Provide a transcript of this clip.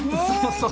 そう